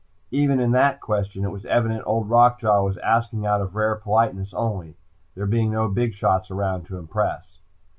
Even in that question, it was evident Old Rock Jaw was asking out of a rare politeness only there being no big shots around to impress.